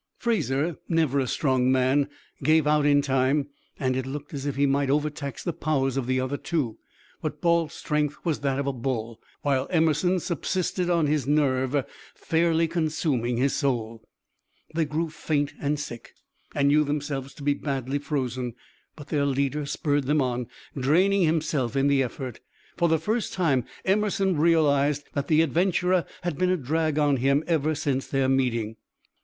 Fraser, never a strong man, gave out in time, and it looked as if he might overtax the powers of the other two, but Balt's strength was that of a bull, while Emerson subsisted on his nerve, fairly consuming his soul. They grew faint and sick, and knew themselves to be badly frozen; but their leader spurred them on, draining himself in the effort. For the first time Emerson realized that the adventurer had been a drag on him ever since their meeting.